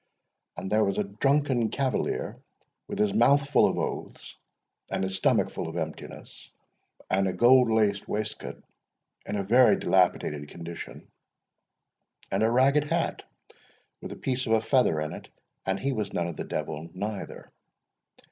And there was a drunken cavalier, with his mouth full of oaths, and his stomach full of emptiness, and a gold laced waistcoat in a very dilapidated condition, and a ragged hat,—with a piece of a feather in it; and he was none of the Devil neither.